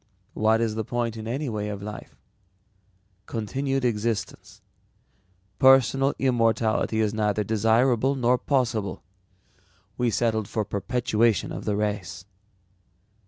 "What is the point in any way of life? Continued existence. Personal immortality is neither desirable nor possible. We settled for perpetuation of the race."